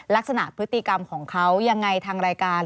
ลักษณะพฤติกรรมของเขายังไงทางรายการ